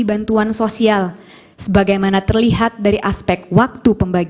kemudian dari antara negara perdagangan di negara negara pemusnah